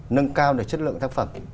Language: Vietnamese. nâng cao được chất lượng tác phẩm